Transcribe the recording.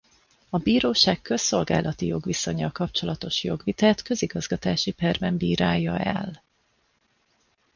A bíróság közszolgálati jogviszonnyal kapcsolatos jogvitát közigazgatási perben bírálja el.